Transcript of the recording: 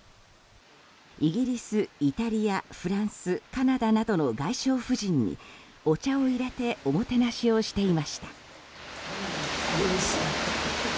イギリス、イタリア、フランスカナダなどの外相婦人にお茶をいれておもてなしをしていました。